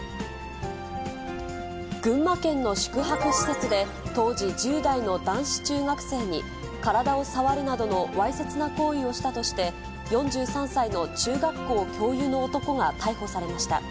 群馬県の宿泊施設で、当時１０代の男子中学生に体を触るなどのわいせつな行為をしたとして、４３歳の中学校教諭の男が逮捕されました。